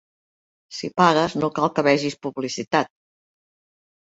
Si pagues, no cal que vegis publicitat